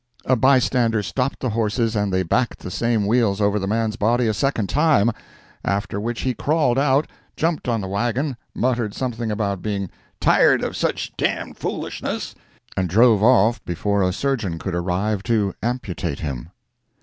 A bystander stopped the horses and they backed the same wheels over the man's body a second time; after which he crawled out, jumped on the wagon, muttered something about being "tired of sich d—d foolishness," and drove off before a surgeon could arrive to amputate him!